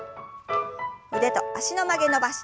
腕と脚の曲げ伸ばし。